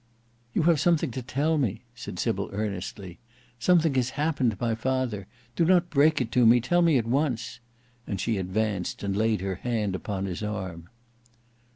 "You have something to tell me," said Sybil earnestly. "Something has happened to my father. Do not break it to me; tell me at once," and she advanced and laid her hand upon his arm.